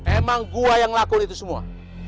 emang gua yang lakuin itu semua